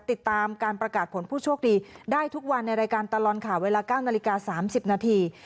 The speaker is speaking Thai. ติดตามการประกาศผลผู้โชคดีได้ทุกวันในรายการตลอดข่าวเวลา๙นาฬิกา๓๐นาที